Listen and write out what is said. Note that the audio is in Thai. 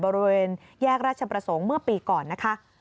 บริเวณแยกราชประสงค์เมื่อปีก่อนนะคะ